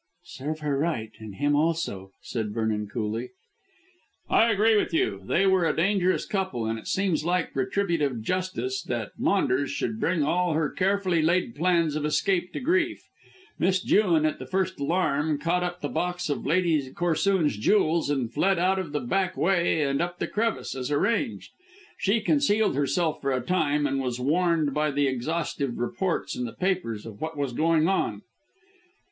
"Serve her right, and him also," said Vernon coolly. "I agree with you. They were a dangerous couple, and it seems like retributive justice that Maunders should bring all her carefully laid plans of escape to grief. Miss Jewin at the first alarm caught up the box of Lady Corsoon's jewels and fled out of the back way and up the crevice, as arranged. She concealed herself for a time, and was warned by the exhaustive reports in the papers of what was going on."